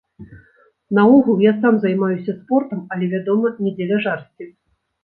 Наогул я сам займаюся спортам, але, вядома, не дзеля жарсці.